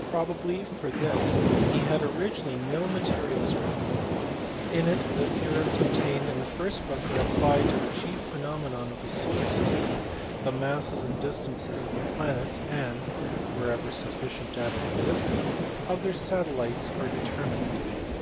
Probably for this he had originally no materials ready. In it the theorems obtained in the first book are applied to the chief phenomena of the solar system, the masses and distances of the planets and (whenever sufficient data existed) of their satellites are determined.